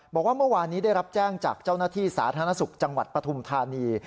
บอกว่าเมื่อวานนี้ได้รับแจ้งจากเจ้าหน้าที่สาธารณสุขจังหวัดปฐุมธานี